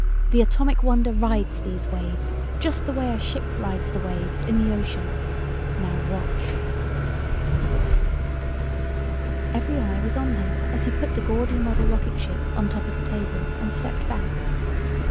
The Atomic Wonder rides these waves just the way a ship rides the waves in the ocean. Now watch...." Every eye was on him as he put the gaudy model rocketship on top of the table and stepped back.